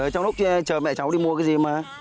trong lúc chờ mẹ cháu đi mua cái gì mà